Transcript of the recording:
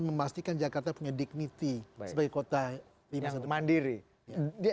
jadi ibu kota jakarta punya dignity sebagai kota yang mandiri